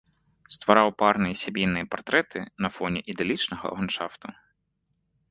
Ствараў парныя і сямейныя партрэты на фоне ідылічнага ландшафту.